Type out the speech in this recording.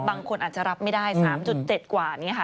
บางคนอาจจะรับไม่ได้๓๗กว่า